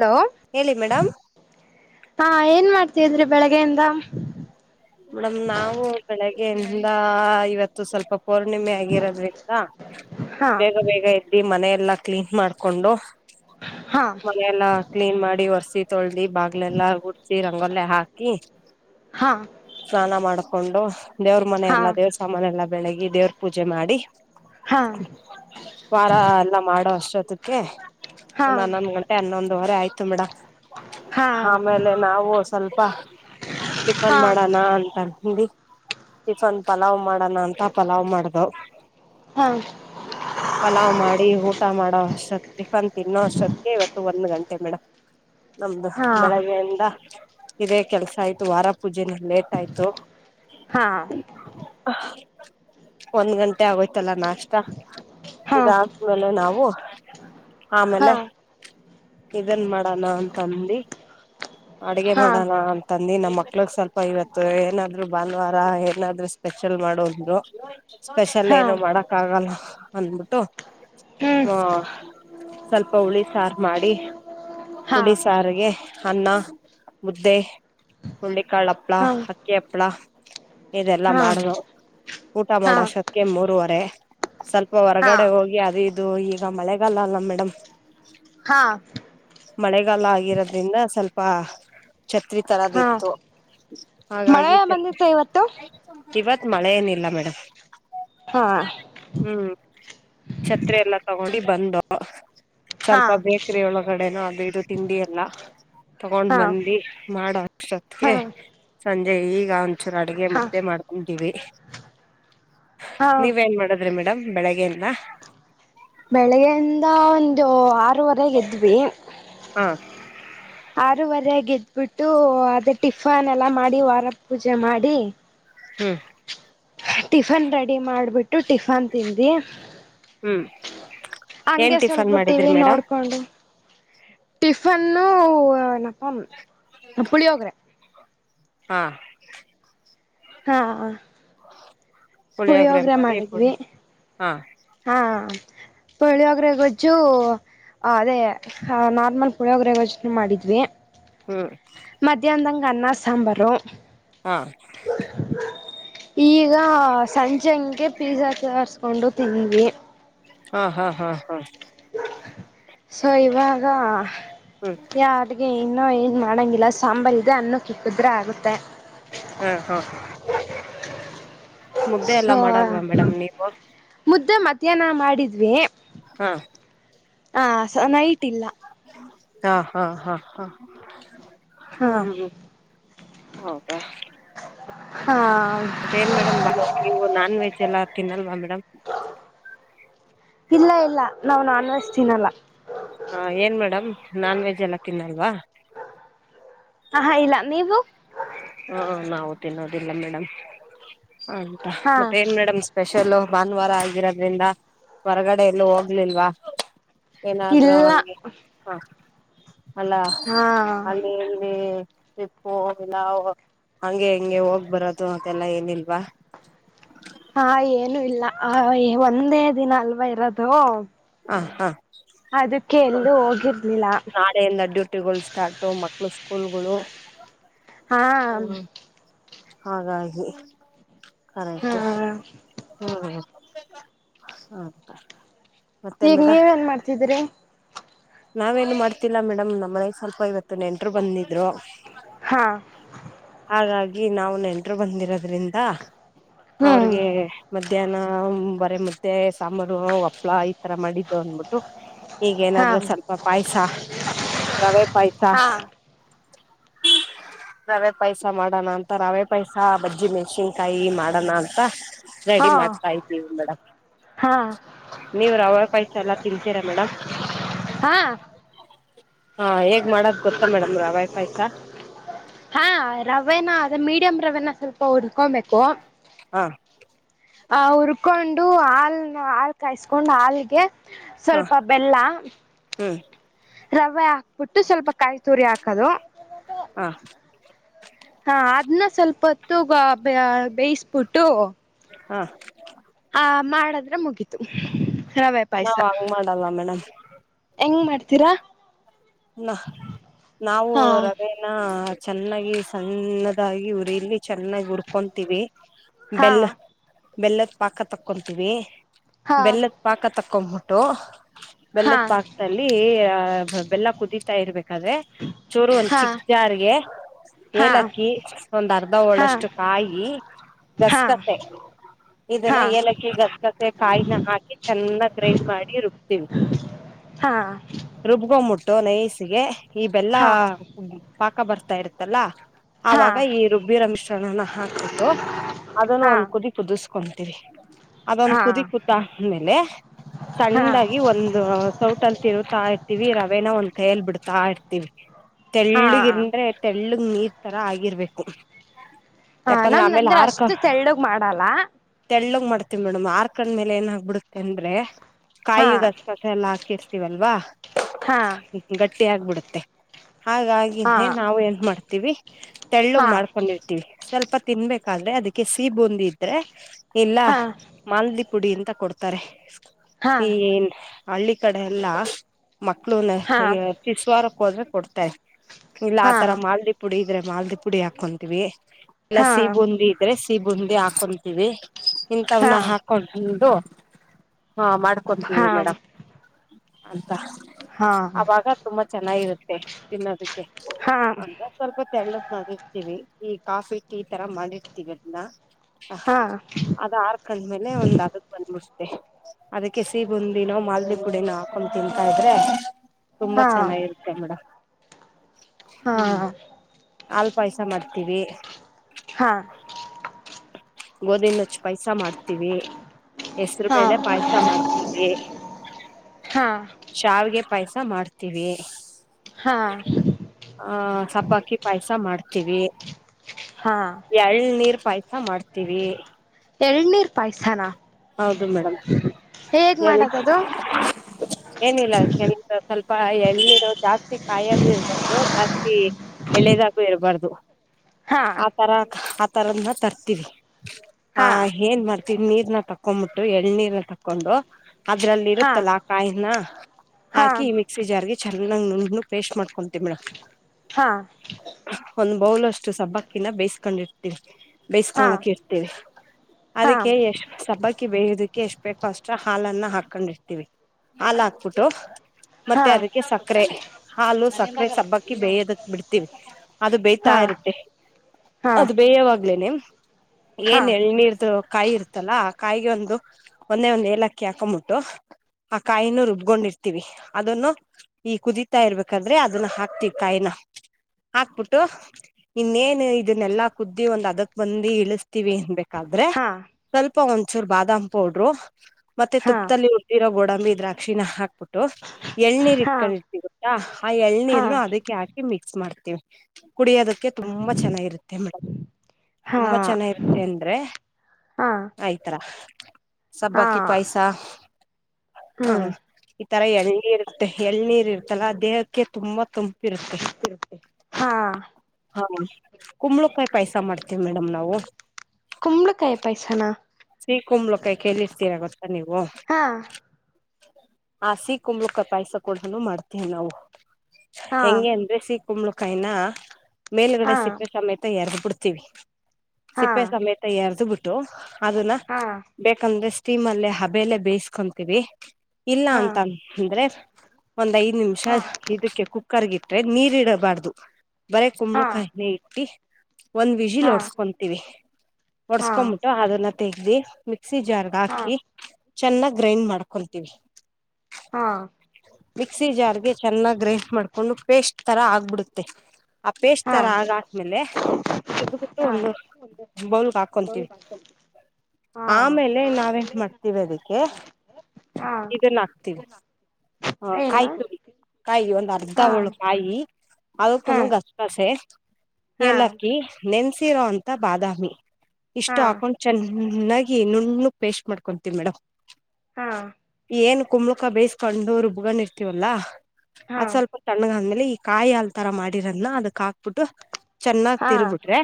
Hello ಹೇಳಿ madam ಹಾ ಏನ್ ಮಾಡ್ತಿದ್ರಿ ಬೆಳಗ್ಯಿಂದ ಮೇಡಮ ನಾವು ಬೆಳಗ್ಗೆಯಿಂದ ಇವತ್ತು ಸ್ವಲ್ಪ ಪೌರ್ಣಿಮೆ ಆಗಿರೋದ್ರಿಂದ ಹಾ ಬೇಗ ಬೇಗ ಇಲ್ಲಿ ಮನಲ್ಲ ಎಲ್ಲ ಕ್ಲೀನ್ ಮಾಡ್ಕೊಂಡು ಹಾ ಮನೆಯೆಲ್ಲಾ ಕ್ಲೀನ್ ಮಾಡಿ ಒರ್ಸಿ ತೊಳ್ದಿ ಬಾಗ್ಲೆಲ್ಲಾ ಹುಡ್ಸಿ ರಂಗೋಲ್ಲ ಹಾಕಿ ಹಕಿ ಹಾ ಸ್ನಾನ ಮಾಡ್ಕೊಂಡು ದೇವ್ರ ಮನೆೆಯ ಹಾ ಎಲ್ಲಾ ದೇವ್ರ ಸಾಮಾನ ಎಲ್ಲ ಬೆಳಗಿ ದೇವ್ರ ಪೂಜೆ ಮಾಡಿ ಹಾ ವಾರ ಎಲ್ಲ ಮಾಡೋ ಅಷ್ಟೊತ್ತಕ್ಕೆ ಹಾ ಒಂದ್ ಹನ್ನೊಂದು ಗಂಟೆ ಹನ್ನೊಂದುವರೆ ಆಯ್ತು ಮೇಡ ಹಾ ಆಮೇಲೆ ನಾವು ಸ್ವಲ್ಪ ಟಿಫನ್ ಹಾ ಮಾಡೋಣ ಅಂತಿ ಟಿಫನ್ ಪಲಾವ್ ಮಾಡೋಣ ಅಂತ ಪಲಾವ್ ಮಾಡ್ದವು ಹಾ ಪಲಾವ್ ಮಾಡಿ ಊಟ ಮಾಡೋ ಅಷ್ಟತ್ ಟಿಫನ್ ತಿನ್ನೋ ಅಷ್ಟತ್ತ ಇವತ್ತು ಒಂದ್ ಗಂಟೆ ಮೇಡಮ್ ನಮ್ದು ಹಾ ಹಾ ಬೆಳಗ್ಗೆಯಿಂದ ಇದೇ ಕೆಲ್ಸ ಆಯ್ತು ವಾರ ಪೂಜೆನೇಟ್ ಆಯ್ತು ಒಂದ್ ಗಂಟೆ ಆಗೋಯ್ತಲ್ಲ ನಾಷ್ಟ ಹಾ ಇದಾದ್ಮೇಲೆ ನಾವು ಆಮೇಲೆ ಹಾ ಇದನ್ ಮಾಡಣ ಅಂತ ಅಂದ ಅಡುಗೆ ಹಾ ಮಾಡೋಣ ಅಂತಂದು ನಮ್ಮಕ್ಕ ಮಳಗ್ ಸ್ವಲ್ಪ ಇವತ್ತು ಏನಾದ್ರು ಭಾನುವಾರ ಏನಾದ್ರು ಸ್ಪೆಷಲ್ ಮಾಡೋದ್ರು ಸ್ಪೆಷಲ್ ಏನು ಮಾಡಕ್ ಆಗಲ್ಲ ಅಂದಬಿಟ್ಟು ಹ್ಮ [inaudible] ಸ್ವಲ್ಪ ಹುಳಿ ಸಾರ ಮಾಡಿ ಹಾ ಹುಳಿ ಸಾರಿಗೆ. ಅನ್ನ ಮುದ್ದೆ ಹುಳ್ಳಿಕಾಳ ಹಪ್ಳ ಹ್ಮ್ ಅಕ್ಕಿ ಹಪ್ಳ. ಇದೆಲ್ಲಾ ಹಾ ಮಾಡದು ಊಟ ಹಾ ಹಾ ಮಾಡೋ ಸತ್ತಕ್ಕೆ ಮೂರುವರೆ. ಸ್ವಲ್ಪ ಹಾ ಹಾ ಹೊರಗಡೆ ಹೋಗಿ ಅದು ಇದು ಈಗ ಮಳೆಗಾಲ ಅಲ್ಲ ಮೇಡಮ್. ಹಾ ಮಳೆಗಾಲ ಆಗಿರೋದ್ರಿಂದ ಸ್ವಲ್ಪ. ಛತ್ರಿ ತರದ ಹಾ ಇತ್ತು ಮಳೆ ಹಾಗಾಗಿ ಛತ್ ಬಂದಿತ್ತ ಇವತ್ತು ಇವತ್ತ. ಮಳೆ ಏನ ಇಲ್ಲ ಮೇಡಮ್. ಹಾ ಹ್ಮ್ ಛತ್ರೆ ಎಲ್ಲ ತಗೊಂಡಿ ಬಂದು. ಹಾ ಸ್ವಲ್ಪ ಬೇಕ್ರಿ ಒಳಗಡೆನ ಅದು ಇಡು ತಿಂಡಿ ಎಲ್ಲ ತಗೊಂಡ್ ಹಾ ಬಂದಿ ಮಾಡೋ. ಹಾ ಒಟ್ಟಿಗೆ ಸಂಜೆ ಈಗ ಒಂಚೂರು ಅಡ್ಗೆ ಹಾ ಮುದ್ದೆ ಮಾಡ್ಕಂತೀವಿ. ಹಾ ನೀವೇನ್ ಮಾಡದ್ರಿ ಮೇಡಮ್ ಬೆಳಿಗ್ಗೆಯಿಂದ. ಬೆಳಿಗ್ಗೆಯಿಂದ ಒಂದು ಆರು ವರೆಗೆ ಎದ್ದಿವಿ. ಹಾ. ಆರೂವರೆಗ ಎದ್ಬಿಟ್ಟು ಅದೇ ಟಿಫನ್ ಎಲ್ಲ ಮಾಡಿ ವಾರ ಪೂಜೆ ಮಾಡಿ. ಹ್ಮ್. ಟಿಫನ್ ರೆಡಿ ಮಾಡ್ಬಿಟ್ಟು ಟಿಫನ್ ತಿಂದಿ. ಹ್ಮ್ ಏನ್ ಹಂಗೆ ಟಿಫನ್ ಸ್ವಲ್ಪ ಮಾಡಿದ್ರಿ ಟಿವಿ ಮೇಡಮ್ ನೋಡ್ಕೊಂಡು ಟಿಫ್ ಫನ್ನು ಪುಳಿಯೋಗರೆ. ಹಾ. ಹಾ. ಪುಳಿಯೋಗರೆ ಮಾಡಿ ಫುಡ್ ಮಾಡಿದ್ವಿ. ಹಾ ಹಾ ಪುಳಿಯೋಗರೆ ಗೊಜ್ಜು. ಹ ಅದೇ ನಾರ್ಮಲ್ ಪುಳಿಯೋಗರೆ ಗೊಜ್ಜು ಮಾಡಿದ್ವಿ. ಹ್ಮ್. ಮಧ್ಯಾಹ್ನದಂಗೆ ಅನ್ನ ಸಾಂಬಾರು. ಹಾ. ಈಗ ಸಂಜೆ ಹಂಗೆ ಪಿಜಾ ತಯಾರ್ಸ್ಕೊಂಡು ತಿಂದವಿ. ಹಾ ಹಾ ಹಾ ಹಾ. ಸೋ ಇವಾಗ ಹ್ಮ್ ಯಾವ ಅಡಿಗೆ ಇ ಇನ್ನು ಏನ್ ಮಾಡಂಗಿಲ್ಲ ಸಾಂಬಾರ್ ಇದೆ ಅನ್ನ ಇಕ್ಕಿದ್ರೆ ಆಗುತ್ತೆ. ಹಾ ಹಾ. ಮುದ್ದೆ ಎಲ್ಲಾ ಸೊ ಮಾಡಲ್ವಾ ಮೇಡಮ್ ನೀವು ಮುದ್ದೆ ಮಧ್ಯಾಹನ ಮಾಡಿದ್ವಿ. ಹಾ. ಹಾ ಸೊ ನೈಟ್ ಇಲ್ಲ. ಹಾ ಹಾ ಹಾ ಹಾ ಹಾ ಹ್ಮ ಹ. [inaudible] ಹಾ ಮತ್ತ ಏನ ಮೇಡಮ್ ನೀವು ನಾನ್ ವೆಜ್ ಎಲ್ಲ ತಿನ್ನಲ್ವಾ ಮೇಡಮ್. ಇಲ್ಲ ಇಲ್ಲ. ನಾವು ನಾನ್ ವೆಜ್ ತಿನ್ನಲ್ಲ ಹ ಏನ್ ಮೇಡಮ್ ನಾನ್ ವೆಜ್ ಎಲ್ಲ ತಿನ್ನಲ್ವಾ. ಆಹಾ ಇಲ್ಲ ನೀವು. ಹ ನಾವು ತಿನ್ನೋದಿಲ್ಲ ಮೇಡಮ್ ಅಂತ ಹಾ ಮತ್ತ ಏನ್ ಮೇಡ್ ಸ್ಪ ಎಲ್ಲ ಭಾನುವಾರ ಆಗಿರೋದ್ರಿಂದ ಹೊರಗಡೆ ಎಲ್ಲೂ ಹೋಗ್ಲಿಲ್ವಾ. ಏನಾದರು ಇಲ್ಲ ಹಾಗೆ ಹಾ. ಅಲ್ಲಾ ಹಾ ಅಲ್ಲಿ ಇಲ್ಲಿ ಟ್ರಿಪ್ಪು. ನಾವು ಹಂಗೆ ಹಿಂಗೆ ಹೋಗ್ ಬರೋದು ಅದೆಲ್ಲ ಏನಿಲ್ವಾ. ಹಾ ಏನು ಇಲ್ಲ ಆ ಒಂದೇ ದಿನ ಅಲ್ವಾ ಇರೋದು. ಹಾ ಹಾ. ಅದಕ್ಕೆ ಎಲ್ಲೂ ಹೋಗಿರ್ಲಿಲ್ಲ. ನಾಳೆಯಿಂದ ಡ್ಯೂಟಿಗಳು ಸ್ಟಾರ್ಟು ಮಕ್ಳು ಸ್ಕೂಲ್ಗಳು. ಹಾ. ಹಾಗಾಗಿ ಹಾ ಕರೆಕ್ಟ್ ಹ್ಮ್. ಹ. ಮತ್ತೆ ಈಗ್ ಮೇಡಮ್ ನೀವ ಏನ್ ಮಾಡ್ತಿದೀರಿ. ನಾವೇನು ಮಾಡ್ತಿಲ್ಲಾ ಮೇಡಮ್ ನಮ್ಮ್ನೆಗ ಸ್ವಲ್ಪ ಇವತ್ತು ನೆಂಟ್ರು ಬಂದಿದ್ರು. ಹಾ. ಹಾಗಾಗಿ ನಾವ್ ನೆಂಟ್ರು ಬಂದಿರೋದ್ರಿಂದ ಹ್ಮ್ ಅವ್ರಿಗೆ ಮತ್. ಮಧ್ಯಾಹ್ನ ಬರೆ ಮುದ್ದೆ ಸಾಂಬಾರು ಒಪ್ಳ ಈತರ ಮಾಡಿದ್ದು ಅಂದಬಿಟ್ಟು. ಹಾ ಈಗೇನಾದ್ರು ಸ್ವಲ್ಪ ಪಾಯಸಾ ರವೆ ಪಾಯಸಾ. ಹಾ ರವೆ. ಪಾಯಸ ಮಾಡೋಣ ಅಂತ ರವೆೇ ಪಾಯಸಾ ಬಜ್ಜಿ ಮೆಣ್ಸಿನ್ಕಾಯಿ ಮಾಡಣ ಅಂತಾ. ರೆಡಿ ಹಾ ಮಾಡ್ತಾ ಇದ್ದೀವಿ ಮೇಡಮ್. ಹಾ ನೀವ್ ರವೆ ಪಯ್ಸ ಎಲ್ಲಾ ತಿನ್ಂತೀರಾ ಮೇಡಮ್. ಹಾ. ಹಾ ಹೇಗ್ ಮಾಡೋದ್ ಗೊತ್ತಾ ಮೇಡಮ್ ರವೆ ಪಾಯ್ಸ ಹಾ. ರವೆನಾ ಅದ ಮೀಡಿಯಂ ರವೆನಾ ಸ್ವಲ್ಪ ಉರ್ಕೊಂಬೇಕು. ಹಾ. ಆಹ ಹುರ್ಕೊಂಡು ಹಾಲ್ ಹಾಲ್ ಕಾಯಸ್ಕೊಂಡ್ ಹಾಲ್ಗೆ. ಹಾ ಸ್ವಲ್ಪ ಬೆಲ್ಲಾ. ಹ್ಮ್ ರವೆ ಹಾಕ್ಬಟ್ಟು ಸ್ವಲ್ಪ ಕಾಯಿ ತುರಿ ಹಾಕದು. ಹಾ ಹಾ ಅದನ್ನ ಸ್ವಲ್ಪತ್. ತೂಗ ಬ ಬೇಯಿಸಬಿಟ್ಟು. ಹಾ. ಆ ಮಾಡದ್ರೆ ಮುಗಿತು ರವೆ ಪಾಯ್ಸ. ನಾವ್ ಹಂಗ್ ಮಾಡಲ್ಲ ಮೇಡಮ್ ಹೆಂಗ್ ಮಾಡ್ತೀರಾ. ನಾ ನಾವು ಹಾ ರವೆನಾ. ಚೆನ್ನಾಗಿ ಸಣ್ಣದಾಗಿ ಉರಿಲಿ ಚೆನ್ನಾಗಿ ಉರಕಣ್ತಿವಿ. ಹಾ ಬೆಲ್ಲ ಬೆಲ್ಲದ ಪಾಕ ತಕ್ಕೊಂತೀವಿ ಹಾ ಬೆಲ್ಲದ ಪಾಕ ತಕ್ಕ. ಕೊಂ ಬಿಟ್ಟು ಬೆಲ್ಲದ ಹಾ ಪಾಕ್ದಲ್ಲಿ ಬೆಲ್ಲಾ. ಇರ್ಬೇಕಾದ್ರೆ. ಚೂರು ಒಂದ ಚಿಕ್ ಜಾರ್ಗೆ ಹಾ ಏಲಕ್ಕಿ ಒಂದ್ ಅರ್ಧ ಹಾ ಹೋಳಷ್ಟು ಕಾಯಿ. ಹಾ ಗಸಗಸೆ. ಇದನ್ನ ಹಾ ಏಲಕ್ಕಿ ಗಸಗಸೆ ಕಾಯಿನ ಹಾಕಿ ಚೆನ್ನಾಗಿ ಗ್ರೈಂಡ್ ಮಾಡಿ ರುಬ್ತೀನಿ. [inaudible] ಹಾ. ಟೂನ್ ನಯಸಿಗೆ ಈ ಬೆಲ್ಲಾ ಹಾ ಹಾ ಪಾಕಾ ಬರ್ತಾ ಇರುತ್ತಲ್ಲಾ. ಹಾ ಆವಾಗಾ ಈ ರುಬ್ಬಿರೋ ಮಿಶ್ರಣನ ಹಾಕ್ಬಿಟ್ಟು ಅದನ್ನು ಹಾ ಒಂದ್ ಕುದಿ ಕುದಿಸಕೊಂ. ತಿವಿ ಅದೊಂದ್ ಹಾ ಕುದಿ ಕೂತಾ ಅಂದ್ಮೇಲೆ. ಹಾ ಸಣ್ಣದಾಗಿ ಒಂದ್ ಸೌಟಲ್ ತಿರುತಾ ಇರ್ತೀವಿ. ಕಯಲ್ ಬಿಡ್ತಾ ಇರ್ತೀವಿ ಹಾ ತೆಳ್ಳಗಿಂದ್ರೆ ತೆಳ್ಳ. ನೀರ್ ತರಾ ಆಗಿರ್ಬೇಕು. ಹಾ ಯಾಕಂದ್ರ ನಮ್ದ ಆಮೇಲೆ ಅಂದ್ರೆ ಆರ್ಕ ಅಷ್ಟು ತೆಳ್ಳಗ್ ಮಾಡಲ್ಲ ತೆಳ್ಳು. ಮಾಡ್ತೀವಿ ಮೇಡಮ್ ಆರ್ಕಂಡ್ ಮೇಲೆ ಏನ ಆಗ್ಬಿಡುತ್ತೆ ಅಂದ್ರೆ ಹಾ ಕಾಯಿ ಗಸಗಸೆ ಎಲ್ಲ ಹಾಕಿರ್. ವಲ್ವಾ ಹಾ ಗಟ್ಟಿ ಆಗ್ಬಿಡುತ್ತೆ ಹಾ ಹಾಗಾಗಿನೇ ನಾವು ಏನ್ ಮಾಡ್ತೀವಿ ತೆಳ್ಳಗ್ ಹಾ ಮಾಡ್ಕೊಂಡಿರ್ತೀವಿ. ಸ್ವಲ್ಪ ತಿನ್ಬೇಕಾದ್ರೆ ಅದಕ್ಕೆ ಸಿಹಿ ಬೂಂದಿ ಇದ್ರೆ ಇಲ್ಲಾ ಹಾ ಮಾಲ್ದಿ ಪುಡಿ ಅಂತ ಕೊಡ್ತ. ತಾರೆ ಹಾ ಈ ಏನ್ ಹಳ್ಳಿ ಕಡೆ ಎಲ್ಲಾ ಮಕ್. ಮಕ್ಳೂ ಶಿಸ್ವಾರಕ್ ಹೋದ್ರೆ ಕೊಡ್ತಾರೆ ಇಲ್ಲ ಆತರ ಹಾ ಮಾಲ್ಲಿ ಪುಡಿ. ಇದ್ರೆ ಮಾಲ್ದಿ ಪುಡಿ ಹಾಕೊಂತೀವಿ ಇಲ್ಲಾ ಹಾ ಸಿ ಬೂಂದಿ ಇದ್ರೆ ಸಿ ಬೂಂದಿ ಹಾಕೊಂತೀವಿ. ಹಾ ಹಾ ಇಂಥವ್ನ ಹಾಕೊಂಡು. ಹಾ ಮಾಡ್ಕೊಂತೀವಿ ಹಾ ಮೇಡಮ್ ಅಂತಾ. ಹಾ ಅವಾಗಾ ತುಂಬಾ ಚೆನ್ನಾಗಿರುತ್ತೆ ತಿನ್ನೋದಕ್ಕೆ. ಹಾ ಅಂದ ಸ್ವಲ್ಪ ತೆಳ್ಳದ ಮಾಡಿರ್ತೀವಿ ಈ ಕಾಫಿ ಟೀ ತರ ಮಾಡಿರ್ತಿೀವಿ ಅದನ್ನ ಹ ಹಾ ಅದ ಆರ್ ಕಂಡ್ಮೇಲೆ ಒಂದ್ ಅಗದ ಬಂದ್ಬಿಟ್ಟ ಅದಕ್ಕೆ ಸಿ ಬುಂದಿನೋ ಮಾಲ್ದ ಪುಡಿನೋ ಹಾಕೊಂಡು ತಿಂತಾ ಇದ್ರೆ ಹಾ ತುಂಬಾ ಹಾ ಚೆನ್ನಾಗಿರುತ್ತೆ ಮೇಡಮ್ ಹಾ ಅಲ್ ಪಾಯಸ ಮಾಡ್ತೀವಿ ಹಾ ಗೋದಿಿಂದಚ್ಚ ಪೈಸ ಮಾಡ್ತೀವಿ ಹೆಸರು ಹಾ ಬೇಳೆ ಪಾಯಸ ಮಾಡ್ತೀವಿ ಹಾ ಶಾವಿಗೆ ಪಾಯಸ ಸ ಮಾಡ್ತೀವಿ ಹಾ ಆ ಸಬ್ಬಕ್ಕಿ ಪಾಯಸ ಮಾಡ್ತ ಹಾ ಎಳ್ ನೀರ್ ಪಾಯಸ ಮಾಡ್ತೀವಿ ಪಾಯಸಾನ ಹೌದು ಮೇಡಮ್ ಮಾಡದದು ಏನಿಲ್ಲ [unintelligible] ಕೆಲಸ ಸ್ವಲ್ಪ ಎಳನೀರು ಜಾಸ್ತಿ ಕಾಯಾಗು ಇರ್ಬಾರ್ದ ಜಾಸ್ತಿ ಎಳೆನೀರ್ ಆಗು ಇರ್ಬಾರ್ದು. ಹಾ ಆ ತರ ಆ ತರದನ್ನ ತರ್ತೀವಿ ಆ ಹಾ ಏನ್ ಮಾಡ್ ತಿಳಿ ನೀರನ್ ತಕೊಂಡ್ಬಿಟ್ಟು ಎಳನೀರನ್ ತಕೊಂಡು ಅದ್ರಲ್ಲಿ ಹಾ ಇರುತ್ತಲ್ಲ ಆ ಕಾಯಿನ ಹಾ ಹಾಕಿ ಮಿಕ್ಸಿ ಜಾರ್ಗೆ ಚೆನ್ನಾಗ್ ನುಣ ಪೇಸ್ಟ್ ಮಾಡ್ಕೊ ಮೇಡಂ ಹಾ ಒಂದ್ ಬೌಲ್ ಅಷ್ಟು ಸಬ್ಬಕ್ಕಿನ ಬೇಯಿಸಕೊಂಡಿರ್ತೀವಿ. ಹಾ ಬೇಯಿಸ್ಕೊಳ್ಳೋಕೆ ಇಡ್ತೀವಿ ಹಾ ಅದಕ್ಕೆ ಎಷ್ಟು ಸಬ್ಬಕಿ ಅಕ್ಕಿ ಬೇಯದಕ್ಕೆ ಎಷ್ಟ ಬೇಕೂ ಅಷ್ಟ ಹಾಲನ್ನ ಹಾಕೊಂಡ್ ಇರ್ತೀವಿ ಹಾಲ್ ಹಾಕ್ಬಿಟ್ಟು ಮತ್ತೆ ಹಾ ಅದಕ್ಕೆ ಸಕ್ಕರೆ ಹಾಲು ಸಕ್ಕರೆ ಸಬ್ಬಕ್ಕ ಹಾಕಿ ಬೇಯ್ಯದುಕ್ ಬಿಡ್ತೀವಿ ಅದು ಬೇಯ್ತಾ ಹಾ ಇರುತ್ತೆ ಹಾ ಅದು ಬೇಯವಾಗ್ಲೇನೆ ಹಾ ಏನ್ ಎಳನೀರ್ತು ಕಾಯಿ ಇರ್ತಲ್ಲಾ ಕಾಯಿಗೆ ಒಂದು ಒಂದೆ ಒಂದ್ ಏಲಕ್ಕಿ ಹಾಕೊಂಬಿಟ್ಟು ಆ ಕಾಯಿನ ರುಬ್ಕೊಂಡಿರ್ತಿವಿ ಅದನ್ನು ಈ ಕುದಿತ ಇರ್ಬೇಕಂದ್ರೆ ಅದನ್ನ ಹಾಕ್ತಿವಿ ಕಾಯಿನ ಹಾಕ್ಬಿಟ್ಟು ಇನ್ನೇನ್ ಇದನ್ನೆಲ್ಲಾ ಕುದ್ದಿ ಒಂದ್ ಅದಕ್ ಬಂದಿ ಇಳಿಸ ಹಾಕ್ತಿವಿ ಆನ್ಬೇಕಾದ್ರೆ ಸ್ವಲ್ಪ ಒಂಚೂರು ಬಾದಾಮ್ ಪೌಡ್ರು ಮತ್ತೆ ಹಾ ತುಪ್ಪದಲ್ಲಿ ಉರಿದಿರೋ ಗೋಡಂಬಿ ದ್ರಾಕ್ಷಿನ ಹಾಕ್ಬಿಟ್ಟು ಎಳನೀರ್ ಹಾ ಇಟ್ಕೊಂಡಿರ್ತೀವಿ ಗೊತ್ತಾ ಆ ಹಾ ಎಳ್ನೀರ್ನು ಅದಕ್ಕೆ ಹಾಕಿ ಮಿಕ್ ಮಿಕ್ಸ್ ಮಾಡ್ತೀವಿ ಕುಡಿಯೋದಕ್ಕೆ ತುಂಬಾ ಚೆನ್ನಾಗಿರುತ್ತೆ, ಮೇಡಮ್ ಹಾ ಹಾ ತುಂಬಾ ಚೆನ್ನಾಗಿರುತ್ತೆ ಅಂದ್ರೆ ಹಾ ಐದು ತರ ಸಬ್ಬಕ್ಕಿ ಪಾಯಸ ಹ್ಮ ಈ ತರ ಎಳನೀರ್ ಇರುತ್ತೆ ಎಳನೀರ್ ಇರ್ತಲ್ಲ ದೇಹಕ್ಕೆ ತುಂಬಾ ತುಂಪಿರುತ್ತೆ, ಇರುತ್ತೆ ಹಾ ಹ ಕುಂಬಳಕಾಯಿ ಪಾಯ್ಸ ಮಾಡ್ತೀವಿ ಮೇಡಮ್ ನಾವು ಕುಂಬಳಕಾಯ ಪಾಯ್ಸನ ಸಿಹಿ ಕುಂಬಳಕಾಯಿ ಕೇಳಿರ್ತೀರಾ ಗೊತ್ತಾ ನೀವು. ಹಾ ಆ ಸಿಹಿ ಕುಂಬಳಕಾಯಿ ಪಾಯ್ಸ ಕೂಡನು ಮಾಡ್ತೇವಿ ನಾವು ಹಾ ಹೆಂಗೆ ಅಂದ್ರೆ ಸಹಿ ಕುಂಬ್ಳಕಾಯಿನ ಮೇಲ್ಗಡೆ ಸಿಪ್ಪೆ ಸಮೇತ ಎರ್ಗ್ ಬಿಡ್ತೀವಿ. ಹಾ ಸಿಪ್ಪೆ ಸಮೇತ ಎರ್ದ ಬಿಟ್ಟು ಅದನ್ನ ಹಾ ಬೇಕಂದ್ರೆ. ಸ್ಟೀಮ್ ಅಲ್ಲೇ ಹಬೆಯಲ್ಲಿ ಬೇಯಿಸ್ಕೊಂತೀವಿ ಇಲ್ಲ ಹಾ ಅಂತ ಅಂದ್ರೆ. ಒಂದ್ ಐದ್ ನಿಮಿಷ ಹಾ ಇದಕ್ಕೆ ಕುಕ್ಕರ್ಗಿಟ್ರೆ ನೀರ ಇಡಬಾರ್ದು. ಬರೇ ಹಾ ಕುಂಬಳಕಾಯಿನೇ ಇಟ್ಟಿ. ಒಂದ್ ವಿಜಿಲ್ ಹಾ ಒಡ್ಸ್ಕೊಂತೀವಿ, ಹಾ ಒಡ್ಸ್ಕೊಬಿಟ್ಟು ಅದನ್ನ ತೆಗ್ದಿ. ಮಿಕ್ಸಿ ಜಾರ್ಗೆ ಹಾ ಹಾಕಿ ಚೆನ್ನಾಗೆ ಗ್ರೈಂಡ್ ಮಾಡ್ಕೊಂತೀವಿ. ಹಾ ಮಿಕ್ಸಿ ಜಾರಿಗೆ ಚೆನ್ನಾಗೆ ಗ್ರೌಂಡ್ ಮಾಡ್ಕೊಂಡು ಪೇಸ್ಟ್ ತರ ಆಗ್ಬಿಡುತ್ತೆ, ಆ ಪೇಸ್ಟ್ ಹಾ ತರ ಆಗಾದ್ಮೇಲೆ. ತೆಗೆದು ಬಿಟ್ಟು ಹಾ ಹಾ ಒಂದು ಬೌಲ್ಗೆ ಹಾಕೊಂತೀವಿ. ಹಾ ಆಮೇಲೆ ನಾವೇನ್ ಮಾಡ್ತೀವಿ ಅದಕ್ಕೆ ಹಾ ಇದನ್ ಹಾಕ್ತಿವಿ. ಹ ಏನ ಕಾಯಿತುರಿ ಕಾಯಿ ಒಂದ್ ಅರ್ಧ ಹಾ ಓಳು ಕಾಯಿ. ಹಾ ಅದಕ್ಕೂನು ಗಸ್ಗಸೆ, ಹಾ ಏಲಕ್ಕಿ, ನೆನ್ಸಿರೋ ಅಂತ ಬಾದಾಮಿ. ಹಾ ಇಷ್ಟು ಹಾಕೊಂಡ್ ಚೆನ್ನಾಗಿ ನುಣ್ಣುಗ್ ಪೇಸ್ಟ್ ಮಾಡ್ಕೊಂತೀವಿ ಮೇಡಮ್. ಹಾ ಏನ್ ಕುಂಬಳಕಾಯಿ ಬೇಯಿಸ್ಕೊಂಡು ರೂಬ್ಕೊಂಡಿರ್ತೀವಲ್ಲ. ಹಾ ಅದ್ ಸ್ವಲ್ಪ ತಣ್ಣಗ್ ಆದ್ಮೇಲೆ ಈ ಕಾಯಿ ಹಾಲ್ ತರ ಮಾಡಿರೋದ್ನ ಅದಕ್ ಹಾಕ್ಬುಟ್ಟು. ಚೆನ್ನಾಗ್ ಹಾ ತಿರುಗ್ಬಿಟ್ರೆ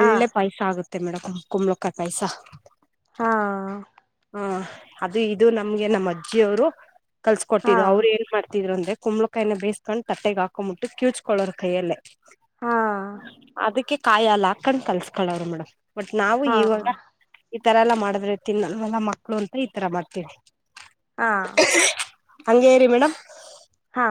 ಹಾ ಪಾಯ್ಸ ಆಗುತ್ತೆ ಮೇಡಂ ಕುಂಬಳಕಾಯ್ ಪಾಯ್ಸ. ಹಾ ಹಾ ಅದು ಇದು ನಮ್ಗೆ ನಮ್ಮ ಅಜ್ಜಿಯವ್ರು ಕಲ್ಸ ಕೊಟ್ಟಿದ್ದು ಹಾ ಅವ್ರ್ ಏನ್ ಮಾಡ್ ದಿದ್ರಂದ್ರೆ ಕುಂಬಳುಕಾಯ್ನ್ ಬೇಯ್ಸಕೊಂಡ್ ತಟ್ಟೆಗ್ ಹಾಕೊಂಬಿಟ್ಟು ಕ್ಯೂಚ್ಕೊಳ್ಳೋರ್ ಕೈಯಲ್ಲೆ. ಹಾ ಅದಕ್ಕೆ ಕಾಯ್ ಹಾಲ್ ಹಾಕಂಡ್ ಕಲ್ಸ್ಕೊಳ್ಳೋರು ಮೇಡಮ್. ಬಟ್ ನಾವು ಹಾ ಇವಾಗ ಈ ತರ ಎಲ್ಲಾ ಮಾಡಿದ್ರೆ ತಿನ್ನಲ್ವಲ್ಲ ಮಕ್ಳು ಅಂತ ಈ ತರ ಮಾಡ್ತೀವಿ. ಹಾ ಹಂಗೆರಿ ಮೇಡಮ್. ಹಾ.